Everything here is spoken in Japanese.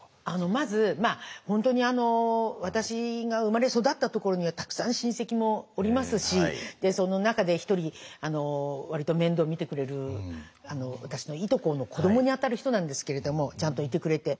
まず本当に私が生まれ育ったところにはたくさん親戚もおりますしその中で一人割と面倒見てくれる私のいとこの子どもにあたる人なんですけれどもちゃんといてくれて。